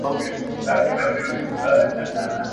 د سياست پوهني مفاهيم بايد په ساده ژبه بيان سي.